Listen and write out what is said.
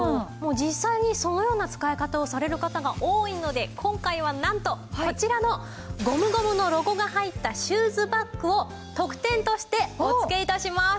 実際にそのような使い方をされる方が多いので今回はなんとこちらのゴムゴムのロゴが入ったシューズバッグを特典としてお付け致します。